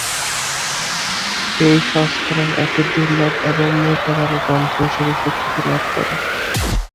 এই সংস্করণ একটি দুর্লভ এবং মূল্যবান গ্রন্থ হিসেবে স্বীকৃতি লাভ করে।